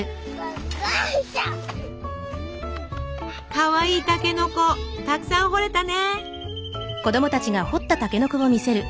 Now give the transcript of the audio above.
かわいいたけのこたくさん掘れたね！